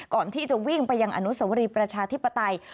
ก่อนที่จะวิ่งไปยังอนุสวรีประชาธิปไตย